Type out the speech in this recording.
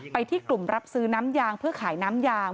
ที่กลุ่มรับซื้อน้ำยางเพื่อขายน้ำยาง